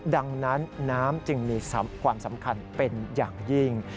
ดังนั้นน้ำจึงมีความสำคัญเป็นอย่างยิ่ง